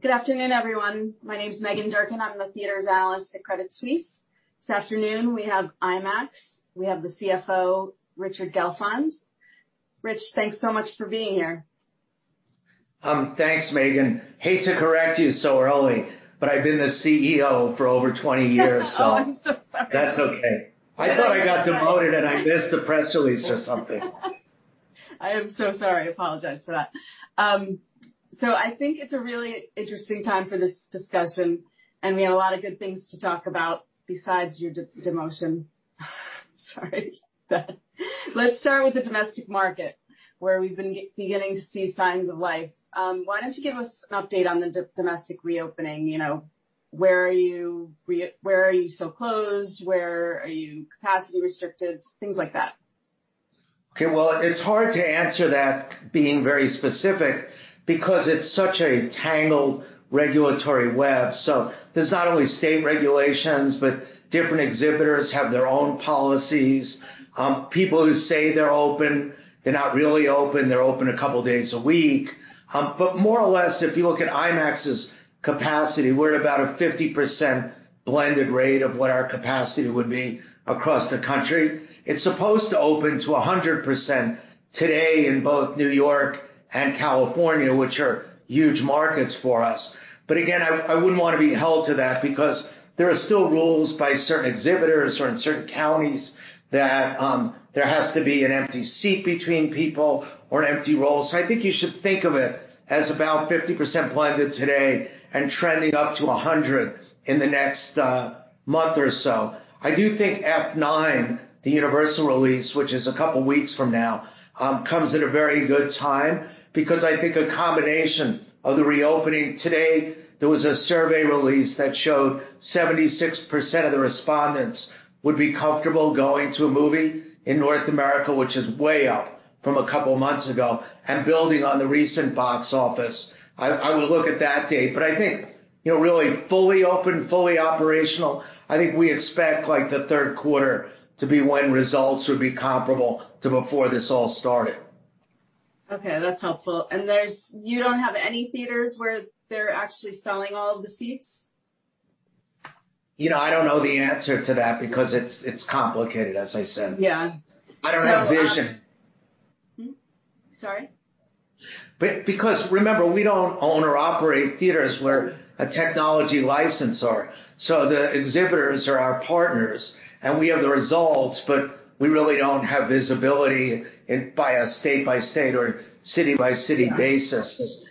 Good afternoon, everyone. My name's Meghan Durkin. I'm the theaters analyst at Credit Suisse. This afternoon we have IMAX. We have the CFO, Richard Gelfond. Rich, thanks so much for being here. Thanks, Meghan. Hate to correct you so early, but I've been the CEO for over 20 years, so. Oh, I'm so sorry. That's okay. I thought I got demoted and I missed a press release or something. I am so sorry. I apologize for that. So I think it's a really interesting time for this discussion, and we have a lot of good things to talk about besides your demotion. Sorry. Let's start with the domestic market, where we've been beginning to see signs of life. Why don't you give us an update on the domestic reopening? Where are you still closed? Where are you capacity restricted? Things like that. Okay. Well, it's hard to answer that being very specific because it's such a tangled regulatory web. So there's not only state regulations, but different exhibitors have their own policies. People who say they're open, they're not really open. They're open a couple of days a week. But more or less, if you look at IMAX's capacity, we're at about a 50% blended rate of what our capacity would be across the country. It's supposed to open to 100% today in both New York and California, which are huge markets for us. But again, I wouldn't want to be held to that because there are still rules by certain exhibitors or in certain counties that there has to be an empty seat between people or an empty row. So I think you should think of it as about 50% blended today and trending up to 100% in the next month or so. I do think F9, the Universal release, which is a couple of weeks from now, comes at a very good time because I think a combination of the reopening today, there was a survey released that showed 76% of the respondents would be comfortable going to a movie in North America, which is way up from a couple of months ago, and building on the recent box office. I will look at that date. But I think really fully open, fully operational, I think we expect the third quarter to be when results would be comparable to before this all started. Okay. That's helpful. And you don't have any theaters where they're actually selling all of the seats? I don't know the answer to that because it's complicated, as I said. Yeah. I don't have vision. Sorry? Because remember, we don't own or operate theaters where our technology licenses are. So the exhibitors are our partners, and we have the results, but we really don't have visibility by a state-by-state or city-by-city basis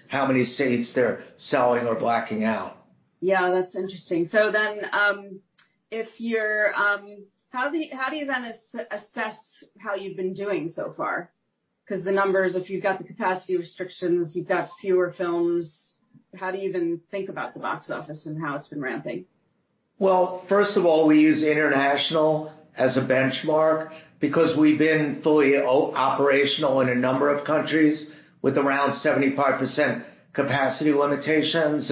how many seats they're selling or blocking out. Yeah. That's interesting. So then how do you then assess how you've been doing so far? Because the numbers, if you've got the capacity restrictions, you've got fewer films, how do you then think about the box office and how it's been ramping? First of all, we use international as a benchmark because we've been fully operational in a number of countries with around 75% capacity limitations.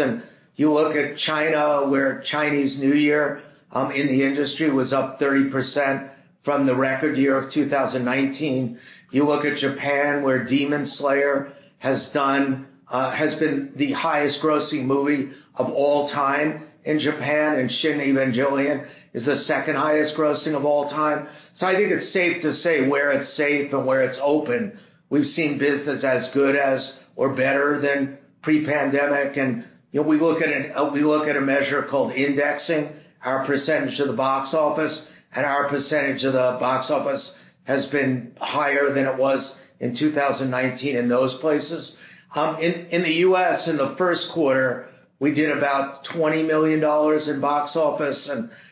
You look at China, where Chinese New Year in the industry was up 30% from the record year of 2019. You look at Japan, where Demon Slayer has been the highest-grossing movie of all time in Japan, and Shin Evangelion is the second highest-grossing of all time. I think it's safe to say where it's safe and where it's open. We've seen business as good or better than pre-pandemic. We look at a measure called indexing, our percentage of the box office, and our percentage of the box office has been higher than it was in 2019 in those places. In the U.S., in the first quarter, we did about $20 million in box office.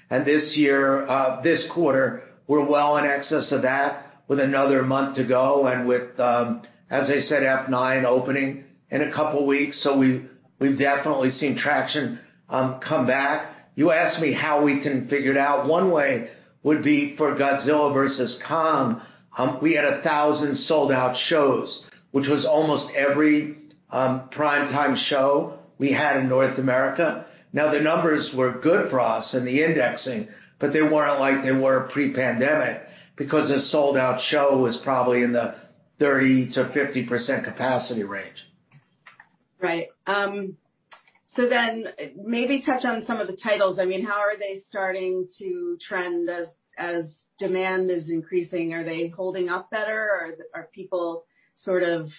And this quarter, we're well in excess of that with another month to go and with, as I said, F9 opening in a couple of weeks. So we've definitely seen traction come back. You asked me how we can figure it out. One way would be for Godzilla vs. Kong. We had 1,000 sold-out shows, which was almost every primetime show we had in North America. Now, the numbers were good for us in the indexing, but they weren't like they were pre-pandemic because a sold-out show was probably in the 30%-50% capacity range. Right. So then maybe touch on some of the titles. I mean, how are they starting to trend as demand is increasing? Are they holding up better? Are people sort of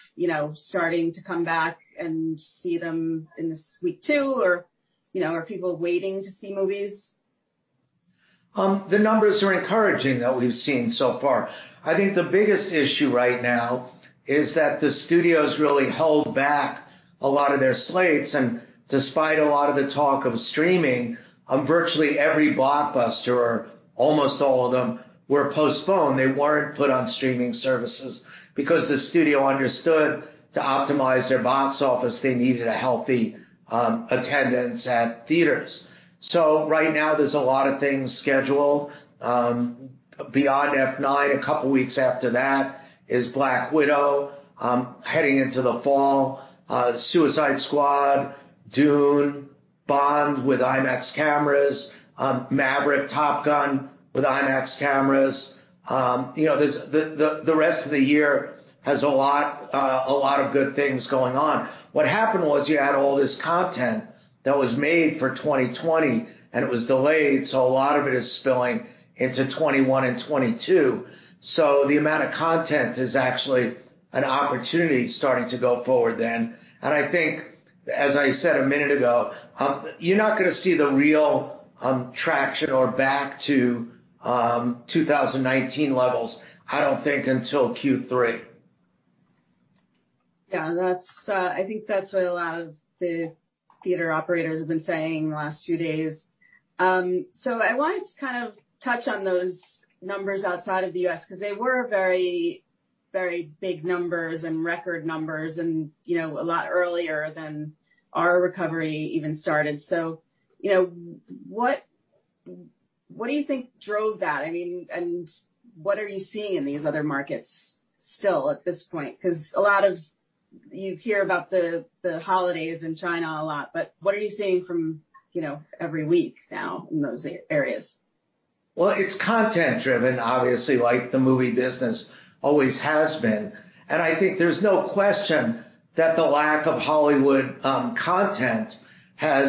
starting to come back and see them in this week too? Or are people waiting to see movies? The numbers are encouraging that we've seen so far. I think the biggest issue right now is that the studios really held back a lot of their slates. And despite a lot of the talk of streaming, virtually every blockbuster, or almost all of them, were postponed. They weren't put on streaming services because the studio understood to optimize their box office, they needed a healthy attendance at theaters. So right now, there's a lot of things scheduled. Beyond F9, a couple of weeks after that is Black Widow, heading into the fall, Suicide Squad, Dune, Bond with IMAX cameras, Maverick, Top Gun with IMAX cameras. The rest of the year has a lot of good things going on. What happened was you had all this content that was made for 2020, and it was delayed. So a lot of it is spilling into 2021 and 2022. So the amount of content is actually an opportunity starting to go forward then. And I think, as I said a minute ago, you're not going to see the real traction or back to 2019 levels, I don't think, until Q3. Yeah. I think that's what a lot of the theater operators have been saying the last few days, so I wanted to kind of touch on those numbers outside of the U.S. because they were very, very big numbers and record numbers and a lot earlier than our recovery even started, so what do you think drove that? I mean, and what are you seeing in these other markets still at this point? Because a lot of you hear about the holidays in China a lot, but what are you seeing from every week now in those areas? It's content-driven, obviously, like the movie business always has been. I think there's no question that the lack of Hollywood content has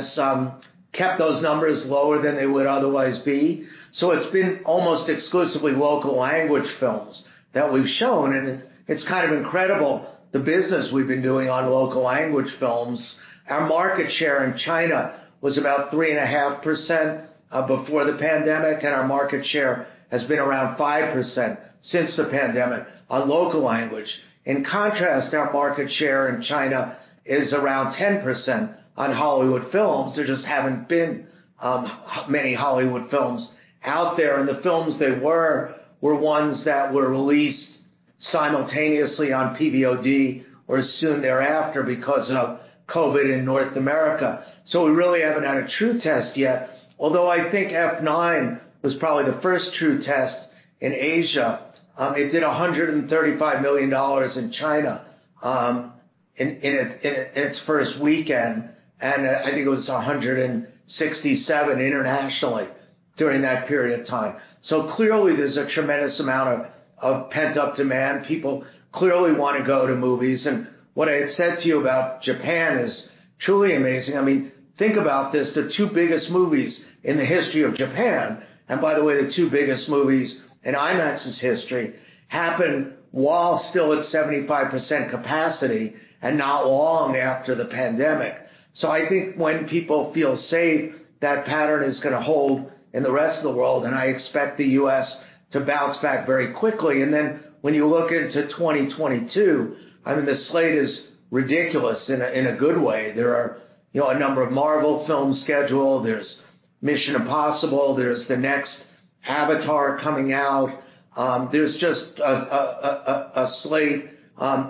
kept those numbers lower than they would otherwise be. It's been almost exclusively local language films that we've shown. It's kind of incredible the business we've been doing on local language films. Our market share in China was about 3.5% before the pandemic, and our market share has been around 5% since the pandemic on local language. In contrast, our market share in China is around 10% on Hollywood films. There just haven't been many Hollywood films out there. The films they were were ones that were released simultaneously on PVOD or soon thereafter because of COVID in North America. We really haven't had a true test yet. Although I think F9 was probably the first true test in Asia. It did $135 million in China in its first weekend. And I think it was $167 million internationally during that period of time. So clearly, there's a tremendous amount of pent-up demand. People clearly want to go to movies. And what I had said to you about Japan is truly amazing. I mean, think about this. The two biggest movies in the history of Japan, and by the way, the two biggest movies in IMAX's history, happened while still at 75% capacity and not long after the pandemic. So I think when people feel safe, that pattern is going to hold in the rest of the world. And I expect the U.S. to bounce back very quickly. And then when you look into 2022, I mean, the slate is ridiculous in a good way. There are a number of Marvel films scheduled. There's Mission: Impossible. There's the next Avatar coming out. There's just a slate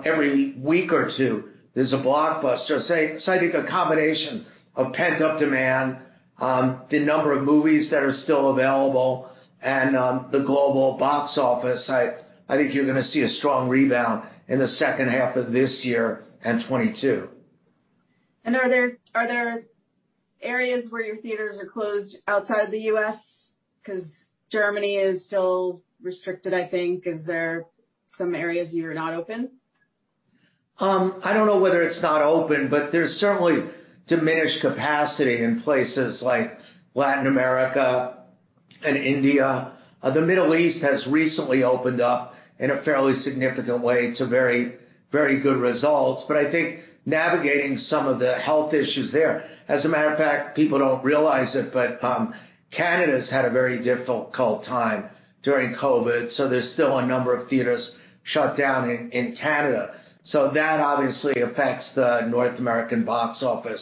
every week or two. There's a blockbuster. So I think a combination of pent-up demand, the number of movies that are still available, and the global box office, I think you're going to see a strong rebound in the second half of this year and 2022. Are there areas where your theaters are closed outside of the U.S.? Because Germany is still restricted, I think. Is there some areas you're not open? I don't know whether it's not open, but there's certainly diminished capacity in places like Latin America and India. The Middle East has recently opened up in a fairly significant way to very, very good results. But I think navigating some of the health issues there. As a matter of fact, people don't realize it, but Canada's had a very difficult time during COVID. So there's still a number of theaters shut down in Canada. So that obviously affects the North American box office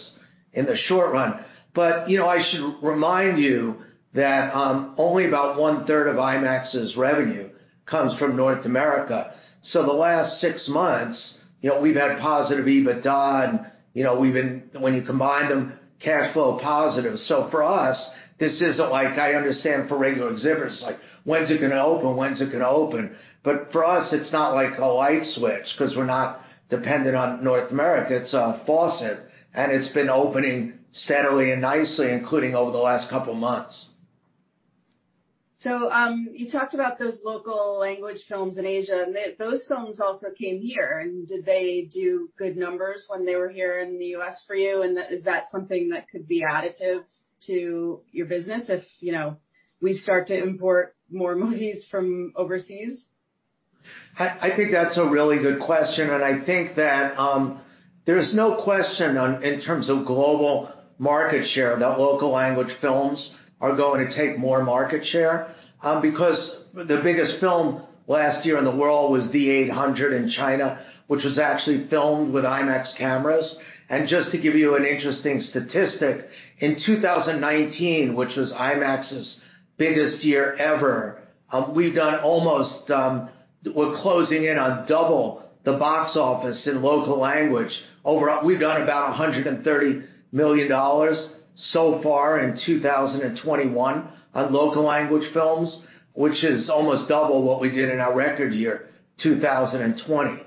in the short run. But I should remind you that only about one-third of IMAX's revenue comes from North America. So the last six months, we've had positive EBITDA. And when you combine them, cash flow positive. So for us, this isn't like I understand for regular exhibitors, like when's it going to open, when's it going to open. But for us, it's not like a light switch because we're not dependent on North America. It's a faucet. And it's been opening steadily and nicely, including over the last couple of months. So you talked about those local language films in Asia. And those films also came here. And did they do good numbers when they were here in the U.S. for you? And is that something that could be additive to your business if we start to import more movies from overseas? I think that's a really good question, and I think that there's no question in terms of global market share that local language films are going to take more market share. Because the biggest film last year in the world was The Eight Hundred in China, which was actually filmed with IMAX cameras, and just to give you an interesting statistic, in 2019, which was IMAX's biggest year ever, we've done almost, we're closing in on double the box office in local language. We've done about $130 million so far in 2021 on local language films, which is almost double what we did in our record year, 2020,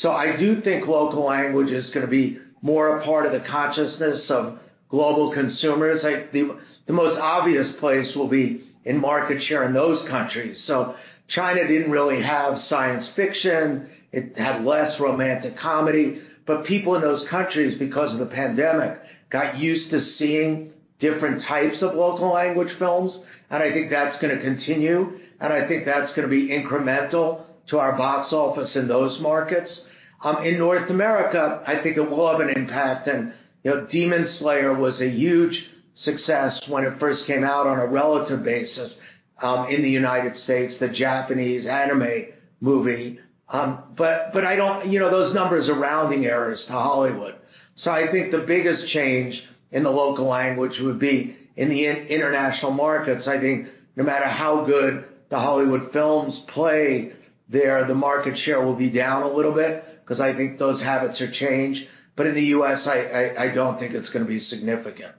so I do think local language is going to be more a part of the consciousness of global consumers. The most obvious place will be in market share in those countries, so China didn't really have science fiction. It had less romantic comedy. But people in those countries, because of the pandemic, got used to seeing different types of local language films. And I think that's going to continue. And I think that's going to be incremental to our box office in those markets. In North America, I think it will have an impact. And Demon Slayer was a huge success when it first came out on a relative basis in the United States, the Japanese anime movie. But those numbers are rounding errors to Hollywood. So I think the biggest change in the local language would be in the international markets. I think no matter how good the Hollywood films play there, the market share will be down a little bit because I think those habits are changed. But in the U.S., I don't think it's going to be significant.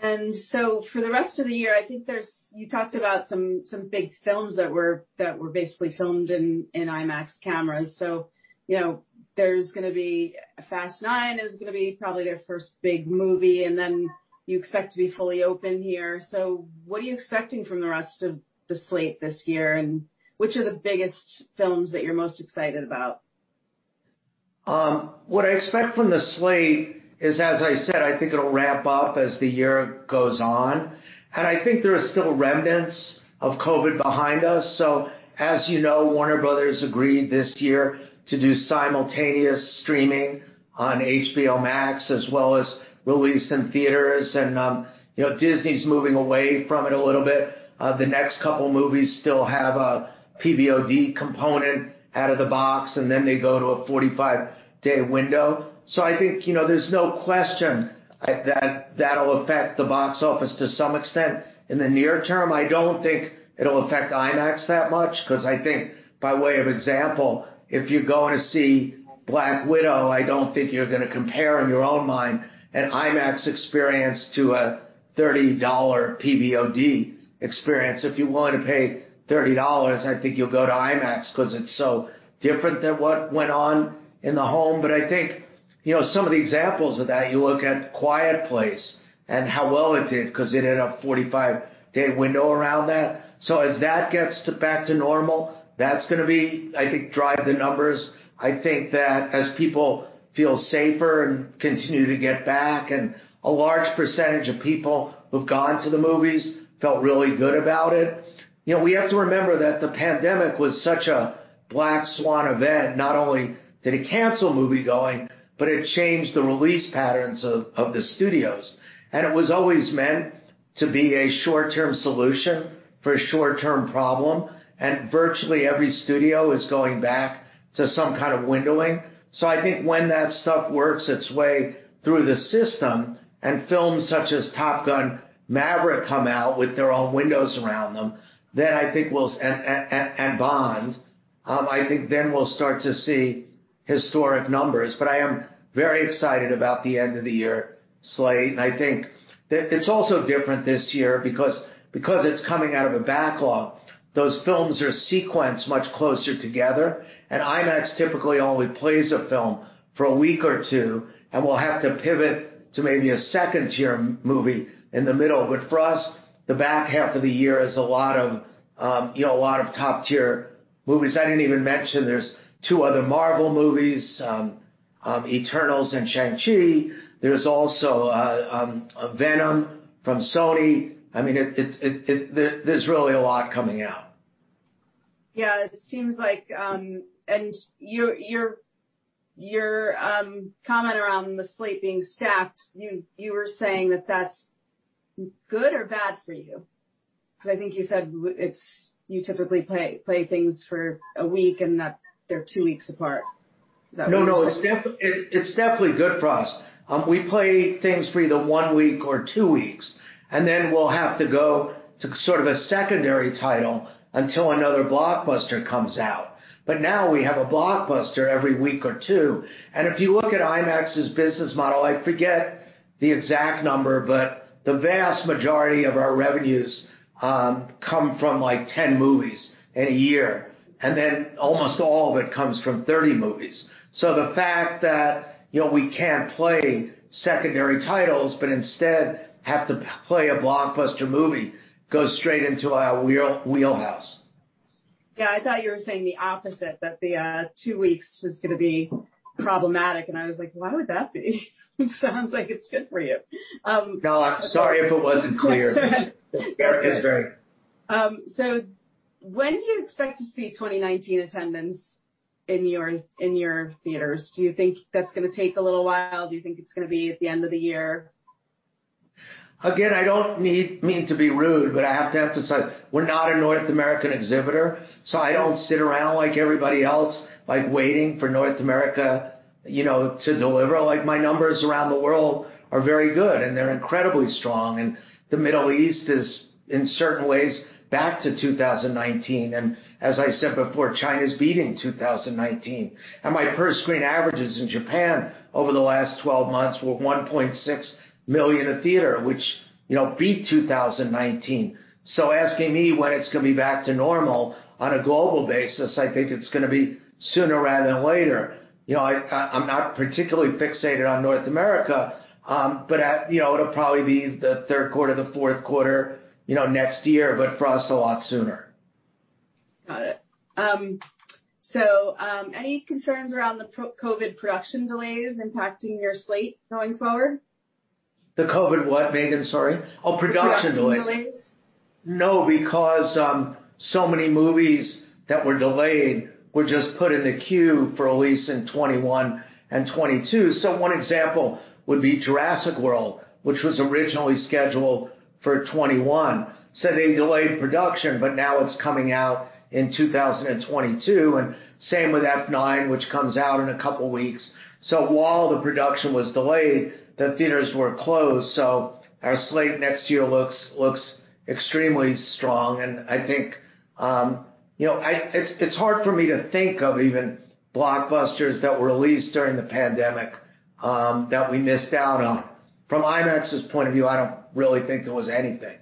And so for the rest of the year, I think you talked about some big films that were basically filmed in IMAX cameras. So there's going to be Fast 9 is going to be probably their first big movie. And then you expect to be fully open here. So what are you expecting from the rest of the slate this year? And which are the biggest films that you're most excited about? What I expect from the slate is, as I said, I think it'll ramp up as the year goes on, and I think there are still remnants of COVID behind us, so as you know, Warner Bros. agreed this year to do simultaneous streaming on HBO Max as well as release in theaters, and Disney's moving away from it a little bit. The next couple of movies still have a PVOD component out of the box, and then they go to a 45-day window, so I think there's no question that that'll affect the box office to some extent in the near term. I don't think it'll affect IMAX that much because I think by way of example, if you're going to see Black Widow, I don't think you're going to compare in your own mind an IMAX experience to a $30 PVOD experience. If you're willing to pay $30, I think you'll go to IMAX because it's so different than what went on in the home. But I think some of the examples of that, you look at Quiet Place and how well it did because it had a 45-day window around that. So as that gets back to normal, that's going to be, I think, drive the numbers. I think that as people feel safer and continue to get back, and a large percentage of people who've gone to the movies felt really good about it. We have to remember that the pandemic was such a black swan event. Not only did it cancel movie going, but it changed the release patterns of the studios. And it was always meant to be a short-term solution for a short-term problem. And virtually every studio is going back to some kind of windowing. I think when that stuff works its way through the system and films such as Top Gun: Maverick come out with their own windows around them, then I think we'll and Bond. I think then we'll start to see historic numbers, but I am very excited about the end of the year slate, and I think it's also different this year because it's coming out of a backlog. Those films are sequenced much closer together, and IMAX typically only plays a film for a week or two, and we'll have to pivot to maybe a second-tier movie in the middle, but for us, the back half of the year is a lot of top-tier movies. I didn't even mention there's two other Marvel movies, Eternals and Shang-Chi. There's also Venom from Sony. I mean, there's really a lot coming out. Yeah. It seems like, and your comment around the slate being stacked, you were saying that that's good or bad for you? Because I think you said you typically play things for a week and that they're two weeks apart. Is that right? No, no. It's definitely good for us. We play things for either one week or two weeks. And then we'll have to go to sort of a secondary title until another blockbuster comes out. But now we have a blockbuster every week or two. And if you look at IMAX's business model, I forget the exact number, but the vast majority of our revenues come from like 10 movies in a year. And then almost all of it comes from 30 movies. So the fact that we can't play secondary titles, but instead have to play a blockbuster movie goes straight into our wheelhouse. Yeah. I thought you were saying the opposite, that the two weeks was going to be problematic, and I was like, "Why would that be? It sounds like it's good for you. No, I'm sorry if it wasn't clear. So when do you expect to see 2019 attendance in your theaters? Do you think that's going to take a little while? Do you think it's going to be at the end of the year? Again, I don't mean to be rude, but I have to say we're not a North American exhibitor, so I don't sit around like everybody else waiting for North America to deliver. My numbers around the world are very good, and they're incredibly strong, and the Middle East is in certain ways back to 2019, and as I said before, China's beating 2019, and my per-screen averages in Japan over the last 12 months were $1.6 million a theater, which beat 2019, so asking me when it's going to be back to normal on a global basis, I think it's going to be sooner rather than later. I'm not particularly fixated on North America, but it'll probably be the third quarter, the fourth quarter next year, but for us, a lot sooner. Got it. So any concerns around the COVID production delays impacting your slate going forward? The COVID what, Meghan? Sorry. Oh, production delays. Production delays. No, because so many movies that were delayed were just put in the queue for release in 2021 and 2022. So one example would be Jurassic World, which was originally scheduled for 2021. So they delayed production, but now it's coming out in 2022. And same with F9, which comes out in a couple of weeks. So while the production was delayed, the theaters were closed. So our slate next year looks extremely strong. And I think it's hard for me to think of even blockbusters that were released during the pandemic that we missed out on. From IMAX's point of view, I don't really think there was anything.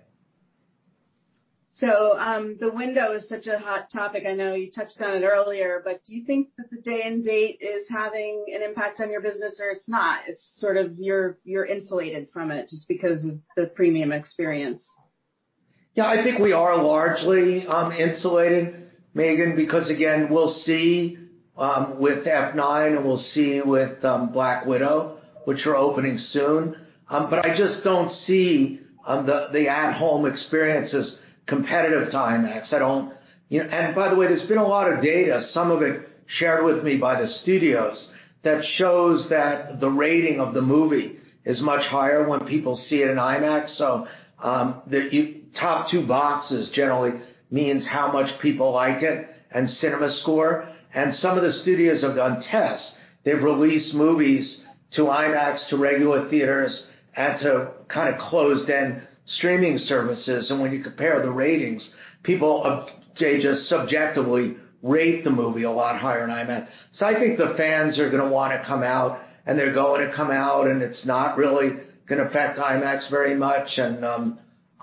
So the window is such a hot topic. I know you touched on it earlier. But do you think that the day and date is having an impact on your business or it's not? It's sort of you're insulated from it just because of the premium experience. Yeah. I think we are largely insulated, Meghan, because again, we'll see with F9 and we'll see with Black Widow, which are opening soon, but I just don't see the at-home experiences competitive to IMAX, and by the way, there's been a lot of data, some of it shared with me by the studios, that shows that the rating of the movie is much higher when people see it in IMAX, so top two boxes generally means how much people like it and CinemaScore, and some of the studios have done tests. They've released movies to IMAX, to regular theaters, and to kind of closed-end streaming services, and when you compare the ratings, people, they just subjectively rate the movie a lot higher in IMAX. So I think the fans are going to want to come out, and they're going to come out, and it's not really going to affect IMAX very much. And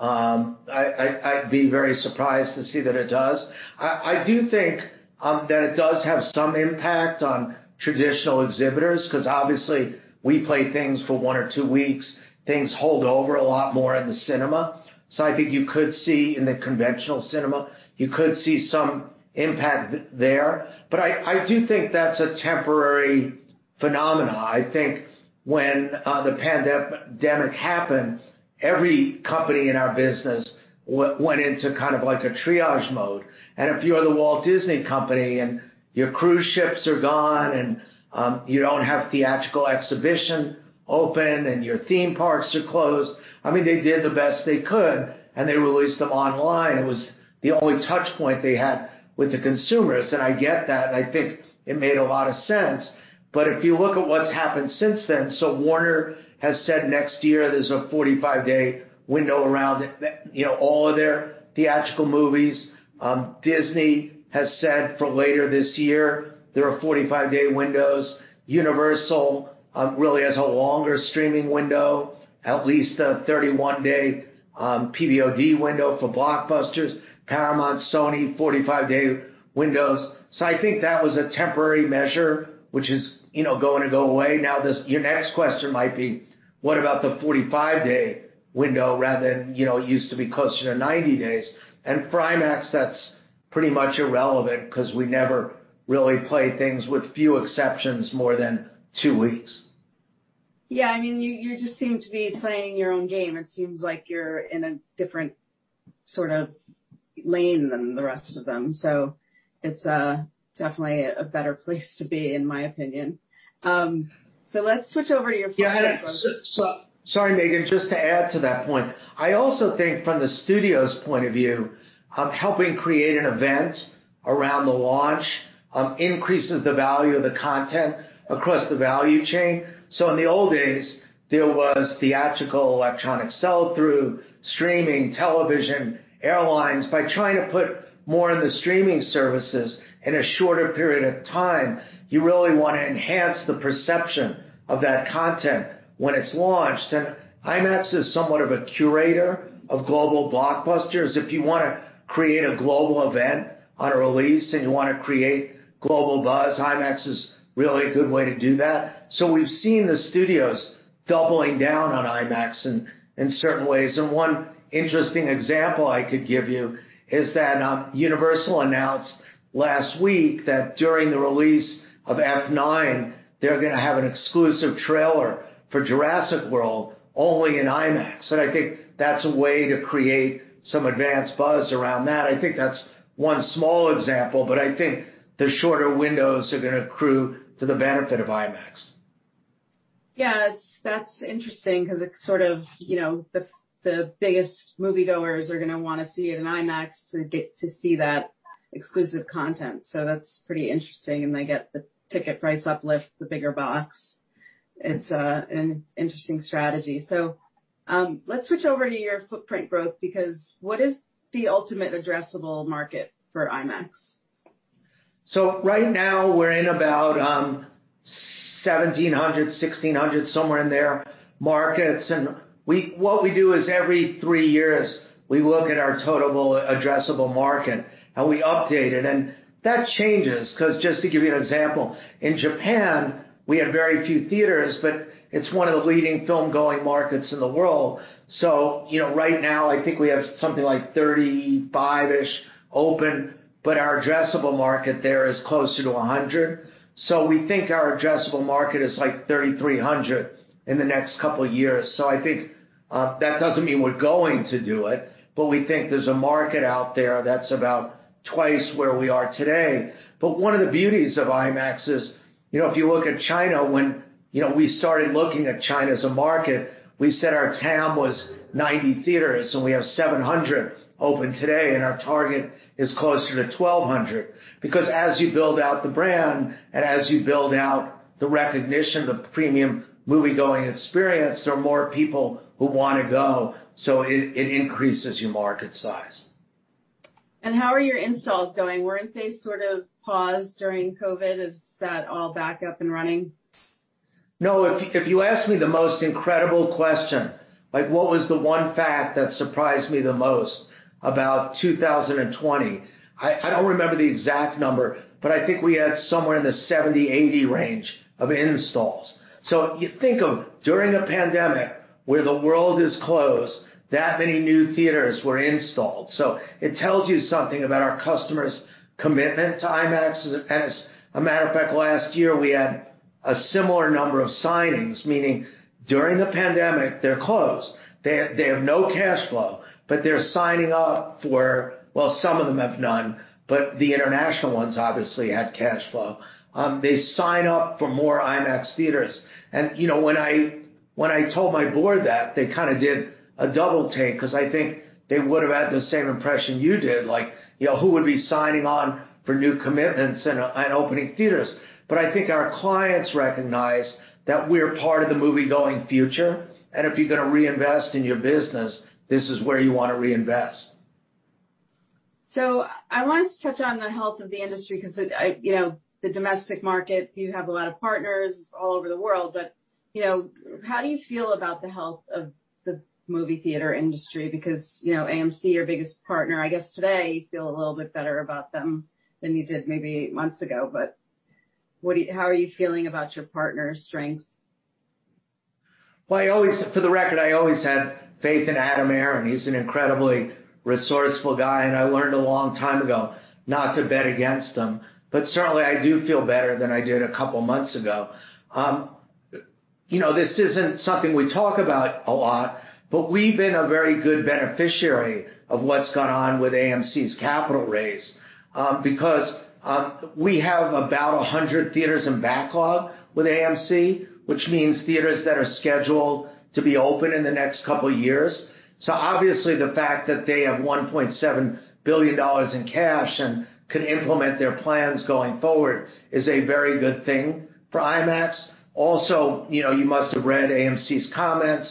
I'd be very surprised to see that it does. I do think that it does have some impact on traditional exhibitors because obviously we play things for one or two weeks. Things hold over a lot more in the cinema. So I think you could see in the conventional cinema, you could see some impact there. But I do think that's a temporary phenomenon. I think when the pandemic happened, every company in our business went into kind of like a triage mode. If you're The Walt Disney Company and your cruise ships are gone and you don't have theatrical exhibition open and your theme parks are closed, I mean, they did the best they could, and they released them online. It was the only touchpoint they had with the consumers. I get that. I think it made a lot of sense. If you look at what's happened since then, Warner has said next year there's a 45-day window around all of their theatrical movies. Disney has said for later this year, there are 45-day windows. Universal really has a longer streaming window, at least a 31-day PVOD window for blockbusters. Paramount, Sony, 45-day windows. I think that was a temporary measure, which is going to go away. Now, your next question might be, what about the 45-day window rather than used to be closer to 90 days? For IMAX, that's pretty much irrelevant because we never really play things with few exceptions more than two weeks. Yeah. I mean, you just seem to be playing your own game. It seems like you're in a different sort of lane than the rest of them. So it's definitely a better place to be, in my opinion. So let's switch over to your final question. Sorry, Meghan, just to add to that point. I also think from the studio's point of view, helping create an event around the launch increases the value of the content across the value chain. So in the old days, there was theatrical, electronic sell-through, streaming, television, airlines. By trying to put more in the streaming services in a shorter period of time, you really want to enhance the perception of that content when it's launched. And IMAX is somewhat of a curator of global blockbusters. If you want to create a global event on a release and you want to create global buzz, IMAX is really a good way to do that. So we've seen the studios doubling down on IMAX in certain ways. One interesting example I could give you is that Universal announced last week that during the release of F9, they're going to have an exclusive trailer for Jurassic World only in IMAX. I think that's a way to create some advanced buzz around that. I think that's one small example, but I think the shorter windows are going to accrue to the benefit of IMAX. Yeah. That's interesting because it's sort of the biggest moviegoers are going to want to see it in IMAX to see that exclusive content, so that's pretty interesting, and they get the ticket price uplift, the bigger box. It's an interesting strategy, so let's switch over to your footprint growth because what is the total addressable market for IMAX? Right now, we're in about 1,700, 1,600, somewhere in there markets. And what we do is every three years, we look at our total addressable market, and we update it. And that changes because just to give you an example, in Japan, we have very few theaters, but it's one of the leading film-going markets in the world. So right now, I think we have something like 35-ish open, but our addressable market there is closer to 100. So we think our addressable market is like 3,300 in the next couple of years. So I think that doesn't mean we're going to do it, but we think there's a market out there that's about twice where we are today. But one of the beauties of IMAX is if you look at China, when we started looking at China as a market, we said our TAM was 90 theaters, and we have 700 open today, and our target is closer to 1,200. Because as you build out the brand and as you build out the recognition, the premium movie-going experience, there are more people who want to go. So it increases your market size. How are your installs going? Weren't they sort of paused during COVID? Is that all back up and running? No. If you ask me the most incredible question, what was the one fact that surprised me the most about 2020? I don't remember the exact number, but I think we had somewhere in the 70-80 range of installs. So you think of during a pandemic where the world is closed, that many new theaters were installed. So it tells you something about our customer's commitment to IMAX. As a matter of fact, last year, we had a similar number of signings, meaning during the pandemic, they're closed. They have no cash flow, but they're signing up for, well, some of them have none, but the international ones obviously had cash flow. They sign up for more IMAX theaters. And when I told my board that, they kind of did a double take because I think they would have had the same impression you did, like who would be signing on for new commitments and opening theaters. But I think our clients recognize that we're part of the movie-going future. And if you're going to reinvest in your business, this is where you want to reinvest. So, I wanted to touch on the health of the industry because the domestic market, you have a lot of partners all over the world. But how do you feel about the health of the movie theater industry? Because AMC, your biggest partner, I guess today, you feel a little bit better about them than you did maybe eight months ago. But how are you feeling about your partner's strength? For the record, I always had faith in Adam Aron. He's an incredibly resourceful guy. I learned a long time ago not to bet against him. Certainly, I do feel better than I did a couple of months ago. This isn't something we talk about a lot, but we've been a very good beneficiary of what's gone on with AMC's capital raise because we have about 100 theaters in backlog with AMC, which means theaters that are scheduled to be open in the next couple of years. Obviously, the fact that they have $1.7 billion in cash and could implement their plans going forward is a very good thing for IMAX. Also, you must have read AMC's comments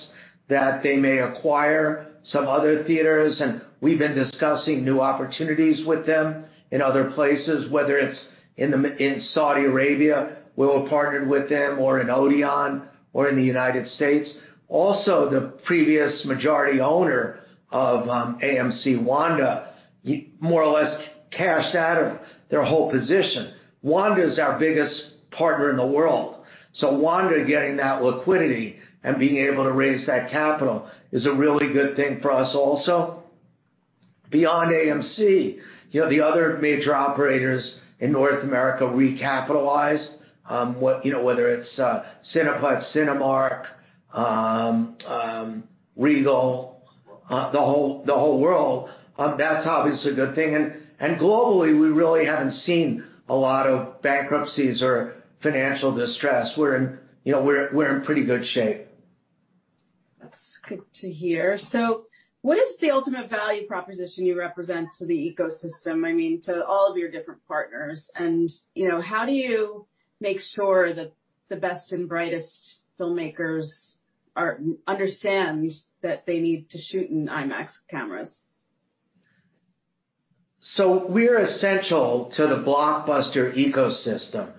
that they may acquire some other theaters. We've been discussing new opportunities with them in other places, whether it's in Saudi Arabia, where we've partnered with them, or in Odeon, or in the United States. Also, the previous majority owner of AMC, Wanda, more or less cashed out of their whole position. Wanda is our biggest partner in the world. So Wanda getting that liquidity and being able to raise that capital is a really good thing for us also. Beyond AMC, the other major operators in North America recapitalized, whether it's Cineplex, Cinemark, Regal, the whole world. That's obviously a good thing. And globally, we really haven't seen a lot of bankruptcies or financial distress. We're in pretty good shape. That's good to hear. So what is the ultimate value proposition you represent to the ecosystem, I mean, to all of your different partners? And how do you make sure that the best and brightest filmmakers understand that they need to shoot in IMAX cameras? We're essential to the blockbuster ecosystem.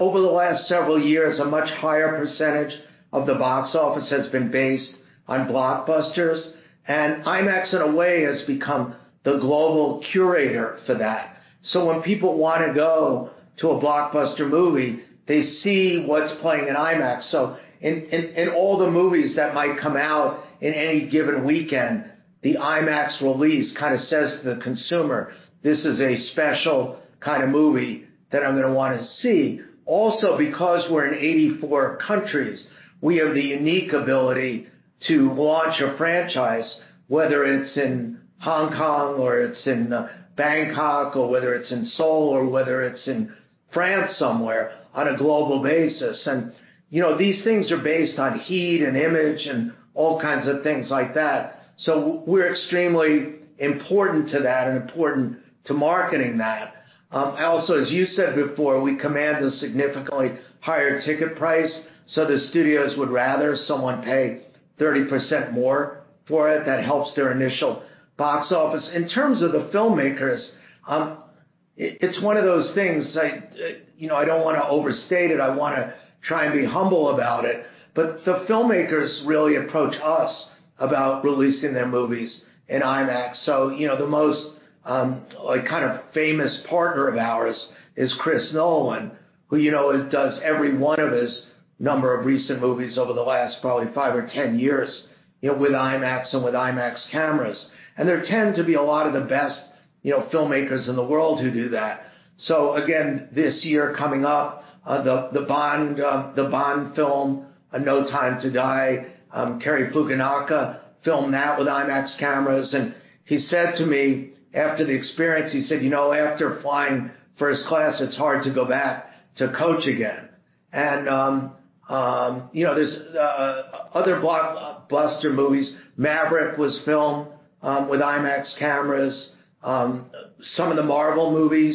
Over the last several years, a much higher percentage of the box office has been based on blockbusters. IMAX, in a way, has become the global curator for that. When people want to go to a blockbuster movie, they see what's playing in IMAX. In all the movies that might come out in any given weekend, the IMAX release kind of says to the consumer, "This is a special kind of movie that I'm going to want to see." Also, because we're in 84 countries, we have the unique ability to launch a franchise, whether it's in Hong Kong or it's in Bangkok or whether it's in Seoul or whether it's in France somewhere on a global basis. These things are based on heat and image and all kinds of things like that. So we're extremely important to that and important to marketing that. Also, as you said before, we command a significantly higher ticket price. So the studios would rather someone pay 30% more for it. That helps their initial box office. In terms of the filmmakers, it's one of those things I don't want to overstate it. I want to try and be humble about it. But the filmmakers really approach us about releasing their movies in IMAX. So the most kind of famous partner of ours is Chris Nolan, who does every one of his number of recent movies over the last probably five or 10 years with IMAX and with IMAX cameras. And there tend to be a lot of the best filmmakers in the world who do that. So again, this year coming up, the Bond film, No Time to Die, Cary Fukunaga filmed that with IMAX cameras. He said to me after the experience, he said, "After flying first class, it's hard to go back to coach again." There's other blockbuster movies. Maverick was filmed with IMAX cameras. Some of the Marvel movies,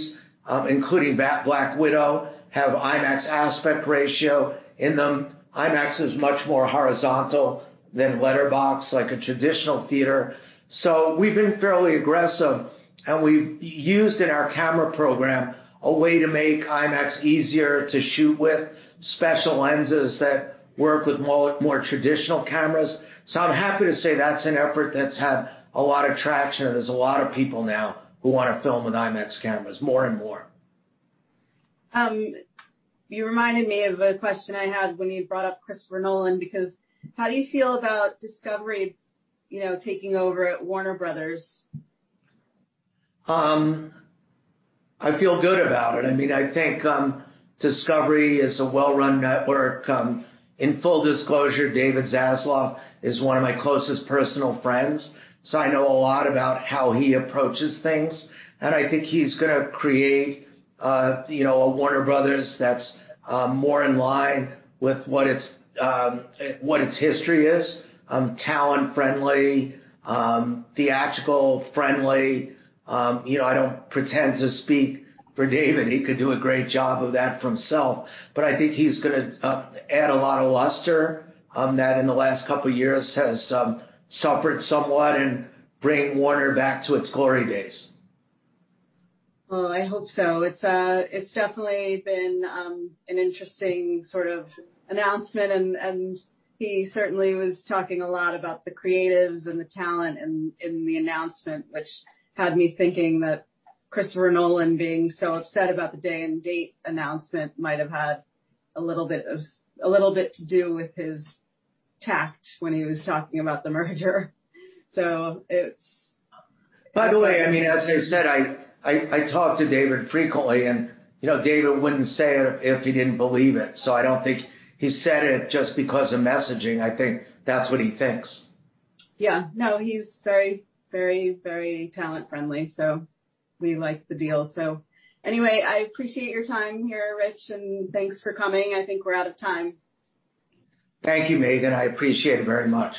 including Black Widow, have IMAX aspect ratio in them. IMAX is much more horizontal than letterbox like a traditional theater. We've been fairly aggressive. We've used in our camera program a way to make IMAX easier to shoot with, special lenses that work with more traditional cameras. I'm happy to say that's an effort that's had a lot of traction. There's a lot of people now who want to film with IMAX cameras, more and more. You reminded me of a question I had when you brought up Chris Nolan because how do you feel about Discovery taking over at Warner Bros.? I feel good about it. I mean, I think Discovery is a well-run network. In full disclosure, David Zaslav is one of my closest personal friends. So I know a lot about how he approaches things. And I think he's going to create a Warner Bros. that's more in line with what its history is: talent-friendly, theatrical-friendly. I don't pretend to speak for David. He could do a great job of that for himself. But I think he's going to add a lot of luster that in the last couple of years has suffered somewhat and bring Warner back to its glory days. I hope so. It's definitely been an interesting sort of announcement. And he certainly was talking a lot about the creatives and the talent in the announcement, which had me thinking that Christopher Nolan being so upset about the day-and-date announcement might have had a little bit to do with his take when he was talking about the merger. It's. By the way, I mean, as I said, I talk to David frequently, and David wouldn't say it if he didn't believe it, so I don't think he said it just because of messaging. I think that's what he thinks. Yeah. No, he's very, very, very talent-friendly. So we like the deal. So anyway, I appreciate your time here, Rich, and thanks for coming. I think we're out of time.. Thank you, Meghan. I appreciate it very much.